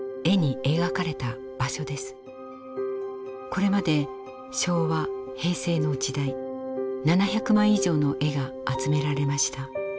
これまで昭和・平成の時代７００枚以上の絵が集められました。